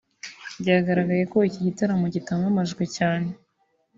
Byagaragaye ko iki gitaramo kitamamajwe cyane